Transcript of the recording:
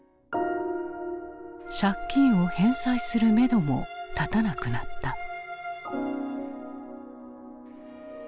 借金を返済するめども立たなくなった。